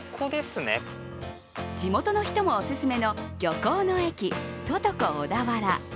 地元の人もお勧めの漁港の駅ＴＯＴＯＣＯ小田原。